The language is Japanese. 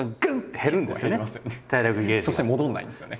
そして戻んないんですよね。